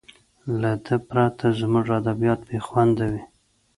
له ده پرته زموږ ادبیات بې خونده وي.